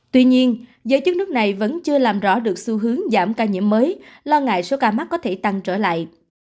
tuy nhiên giới chức nước này vẫn chưa làm rõ được xu hướng giảm ca nhiễm mới lo ngại số ca mắc có thể tăng trở lại